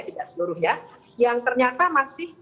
tidak seluruhnya yang ternyata masih